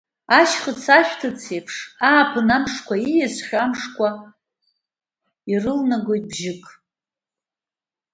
Ашьхыц ашәҭыц еиԥш, ааԥын амшқәа, ииасхьоу амшқәа ирылнагоит бжьык…